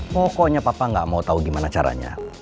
pokoknya papa gak mau tahu gimana caranya